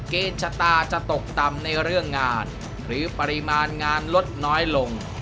ชะตาจะตกต่ำในเรื่องงานหรือปริมาณงานลดน้อยลง